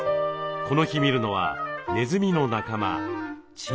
この日診るのはネズミの仲間チンチラ。